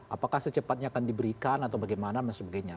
apakah secepatnya akan diberikan atau bagaimana dan sebagainya